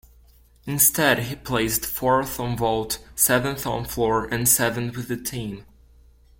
Instead he placed fourth on vault, seventh on floor and seventh with the team.